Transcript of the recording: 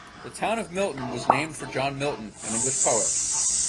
The town of Milton was named for John Milton, an English poet.